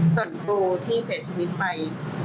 ส่วนครูที่เสียชีวิตไป